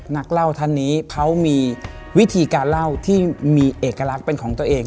นักเล่าท่านนี้เขามีวิธีการเล่าที่มีเอกลักษณ์เป็นของตัวเอง